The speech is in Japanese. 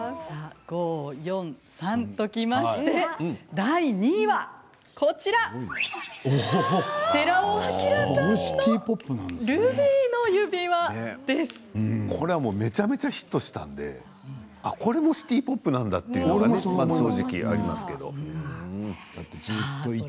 ５、４、３ときまして２位は寺尾聰さんの「ルビーの指環」です。これはめちゃめちゃヒットしたのでこれもシティ・ポップだというのが正直ありますけど。